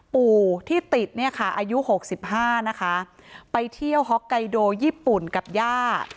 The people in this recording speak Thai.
ปู่ที่ติดเนี่ยค่ะอายุหกสิบห้านะคะไปเที่ยวฮ็อกไกโดญี่ปุ่นกับย่า